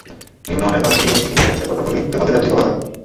নিম্নমানের বাস দিয়ে সিটিং সার্ভিসের কথা বলে পথে পথে যাত্রী তোলা হয়।